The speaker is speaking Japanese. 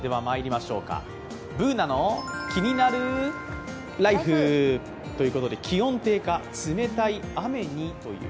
「ＢｏｏｎａのキニナルＬＩＦＥ」ということで、気温低下、冷たい雨に。